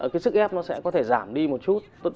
cái sức ép nó sẽ có thể giảm đi một chút